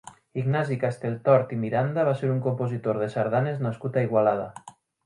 Ignasi Castelltort i Miralda va ser un compositor de sardanes nascut a Igualada.